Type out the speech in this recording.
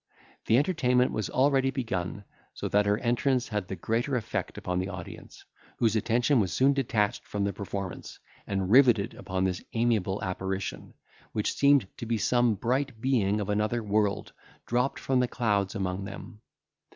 The entertainment was already begun, so that her entrance had the greater effect upon the audience, whose attention was soon detached from the performance, and riveted upon this amiable apparition, which seemed to be some bright being of another world dropped from the clouds among them.